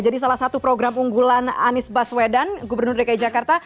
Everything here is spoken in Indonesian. jadi salah satu program unggulan anies baswedan gubernur dki jakarta